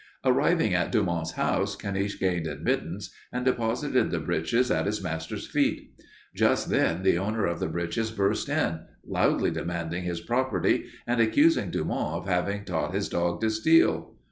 "Arriving at Dumont's house, Caniche gained admittance and deposited the breeches at his master's feet. Just then the owner of the breeches burst in, loudly demanding his property and accusing Dumont of having taught his dog to steal.